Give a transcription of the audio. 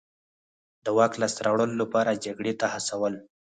د واک لاسته راوړلو لپاره جګړې ته هڅول.